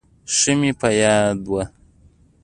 ښه مې په یاد و.